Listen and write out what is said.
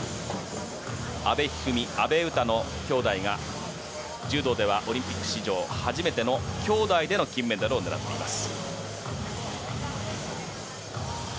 阿部一二三、阿部詩の兄妹が柔道ではオリンピック史上初めての兄妹での金メダルを狙っています。